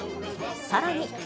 さらに。